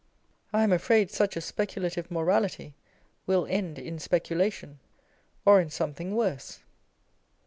I am afraid such a speculative morality will end in speculation, or in some thing worse.